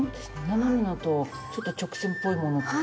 斜めのとちょっと直線っぽいものと。